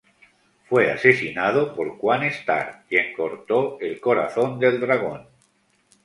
Fue asesinado por Quan-St'ar, quien cortó el corazón del dragón.